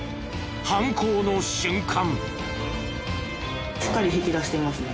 犯行の瞬間。